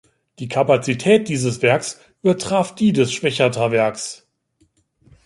Die Kapazität dieses Werks übertraf die des Schwechater Werks.